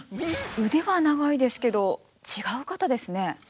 腕は長いですけど違う方ですね。